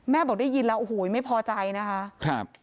แม่บอกได้ยินแล้วไม่พอใจนะคะ